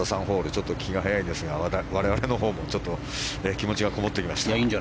ちょっと気が早いですが我々のほうも気持ちがこもってきました。